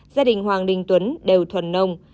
gia đình hoàng đình tuấn đều thuần nông